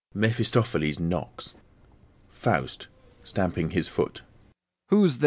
(MEPHISTOPHELES knocks) FAUST (stamping his foot) Who's there?